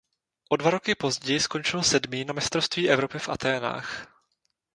O dva roky později skončil sedmý na mistrovství Evropy v Athénách.